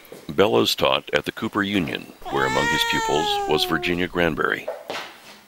Bellows taught at the Cooper Union, where among his pupils was Virginia Granbery.